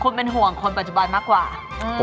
คุณเป็นห่วงคนปัจจุบันมากกว่า